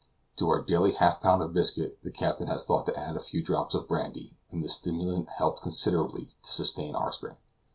To our daily half pound of biscuit the captain has thought to add a few drops of brandy, and the stimulant helps considerably to sustain our strength.